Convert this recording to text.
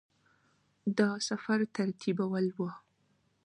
د سفر ترتیبول وه.